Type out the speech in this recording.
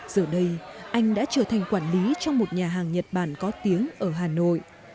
giờ đây anh đã trở thành quản lý trong một nhà hàng nhật bản có tiếng ở hà nội